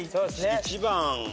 １番。